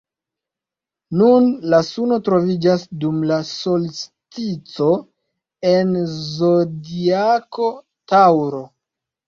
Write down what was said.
Nun la suno troviĝas dum la solstico en la zodiako Taŭro.